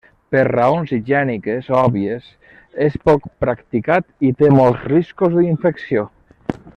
Per raons higièniques òbvies, és poc practicat i té molts riscos d'infecció.